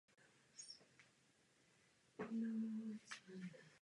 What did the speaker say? Jeho producentem byl Joe Boyd a zvukovým inženýrem při nahrávání John Wood.